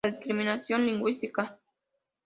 La discriminación lingüística".